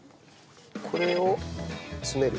これを詰める。